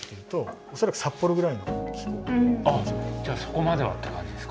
あっじゃあそこまではって感じですか。